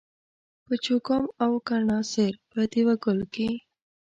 په چوګام او کڼاسېر په دېوه ګل کښي